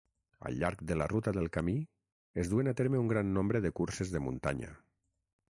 Al llarg de la ruta del camí, es duen a terme un gran nombre de curses de muntanya.